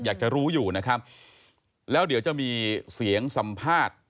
อยากจะรู้อยู่นะครับแล้วเดี๋ยวจะมีเสียงสัมภาษณ์